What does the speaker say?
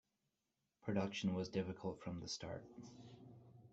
Production was difficult from the start.